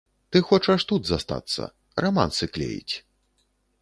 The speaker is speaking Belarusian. Ты хочаш тут застацца, рамансы клеіць.